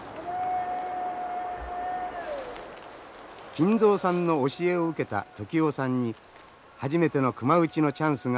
金蔵さんの教えを受けた時男さんに初めての熊撃ちのチャンスが与えられました。